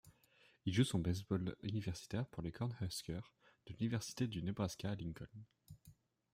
Il joue son baseball universitaire pour les Cornhuskers de l'université du Nebraska à Lincoln.